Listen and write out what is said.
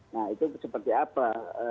nah itu seperti apa